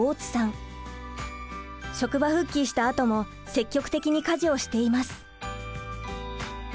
職場復帰したあとも積極的に家事をしています。